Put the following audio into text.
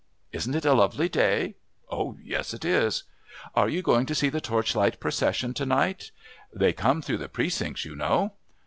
"Isn't it a lovely day?" "Oh, yes, it is." "Are you going to see the Torchlight Procession to night?" "They come through the Precincts, you know."